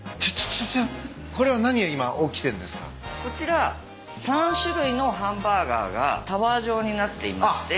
こちら３種類のハンバーガーがタワー状になっていまして。